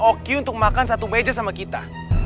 mereka ngijinin oq untuk makan satu meja sama kita